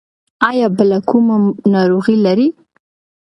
ایا بله کومه ناروغي لرئ؟